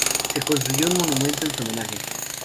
Se construyó un monumento en su homenaje.